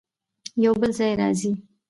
يو بل ځای راځي